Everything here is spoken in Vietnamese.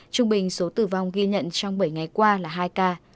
trung bình số tử vong ghi nhận trong bảy ngày qua là hai ca